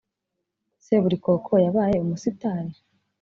seburikoko yabaye umusitari?